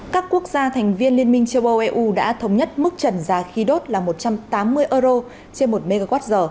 các quốc gia thành viên liên minh châu âu eu đã thống nhất mức trần giá khí đốt là một trăm tám mươi euro trên một mwh